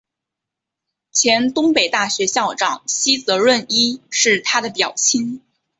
前东北大学校长西泽润一是他的表亲。